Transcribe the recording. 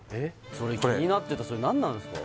これ気になってたそれ何なんすか？